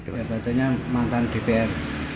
dari mantan dpr